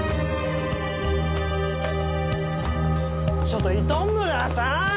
ちょっと糸村さん！